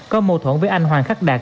có mâu thuẫn với anh hoàng khắc đạt